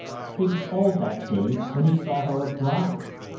He recalled that day when he saw her a bride.